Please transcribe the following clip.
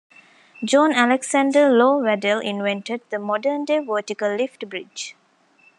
John Alexander Low Waddell invented the modern-day vertical-lift bridge.